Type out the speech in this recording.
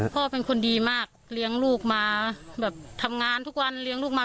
พ่อเป็นคนดีมากเลี้ยงลูกมาแบบทำงานทุกวันเลี้ยงลูกมา